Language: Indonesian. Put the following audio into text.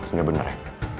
ini bener ya